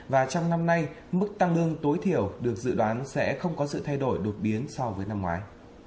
và trong năm nay mức tăng lương tối thiểu được dự đoán sẽ không có sự thay đổi đột biến so với năm ngoái